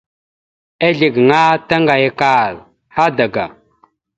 Ezle gaŋa taŋgayakal hadaga.